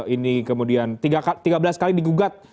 ini kemudian tiga belas kali digugat